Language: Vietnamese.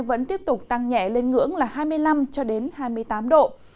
vẫn tiếp tục tăng nhẹ lên ngưỡng là hai mươi năm hai mươi tám độ